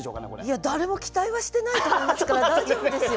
いや誰も期待はしてないと思いますから大丈夫ですよ。